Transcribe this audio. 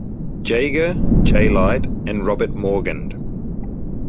Jaeger, Jay Light, and Robert Morgan.